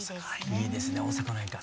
いいですね大阪の演歌。